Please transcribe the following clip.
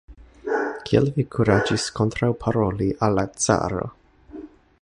Kiel vi kuraĝis kontraŭparoli al la caro?